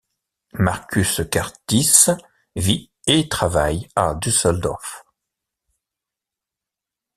Markus Karstieß vit et travaille à Düsseldorf.